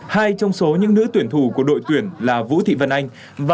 hai trong số những nữ tuyển thủ của đội tuyển là vũ thị vân anh